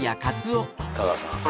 田川さん